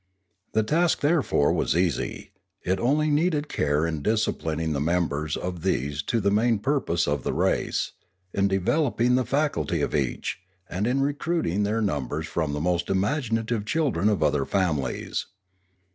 The task therefore was easy. It only needed care in disciplin ing the members of these to the main purpose of the race, in developing the faculty of each, and in recruit ing their numbers from the most imaginative children of other families.